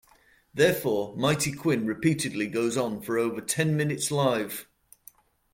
Therefore, "Mighty Quinn" repeatedly goes on for over ten minutes live.